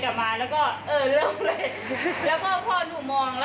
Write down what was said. โทรหาดับเพิงเสร็จเขาได้ยินหนูโทร